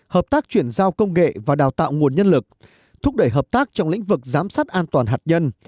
hợp tác chuyển giao công nghệ và đào tạo nguồn nhân lực thúc đẩy hợp tác trong lĩnh vực giám sát an toàn hạt nhân